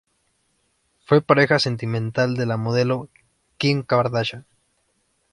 Fue pareja sentimental de la modelo Kim Kardashian.